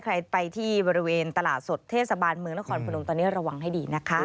ใครไปที่บริเวณตลาดสดเทศบาลเมืองนครพนมตอนนี้ระวังให้ดีนะคะ